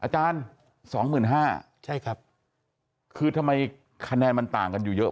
อาจารย์๒๕๐๐ใช่ครับคือทำไมคะแนนมันต่างกันอยู่เยอะ